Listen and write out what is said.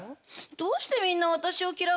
どうしてみんな私を嫌うのかしら。